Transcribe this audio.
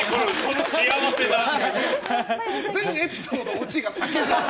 全エピソード、オチが酒。